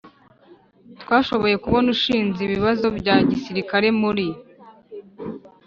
twashoboye kubona ushinze ibibazo bya gisirikari muri